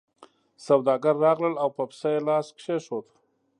سوداګر راغلل او په پسه یې لاس کېښود.